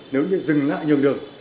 nếu như dừng lại nhường đường